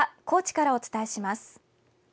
高知からお伝えします。